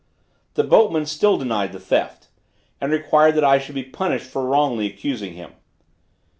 The boatman still denied the theft, and required that I should be punished for wrongly accusing him.